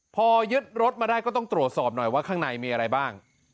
พอยึดรถมาได้ก็ต้องตรวจสอบหน่อยว่าข้างในมีอะไรบ้าง